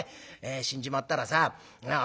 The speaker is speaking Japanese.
死んじまったらさあ